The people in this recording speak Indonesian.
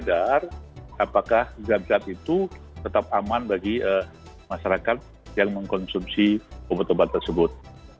dan zat itu tetap aman bagi masyarakat yang mengkonsumsi obat obat tersebut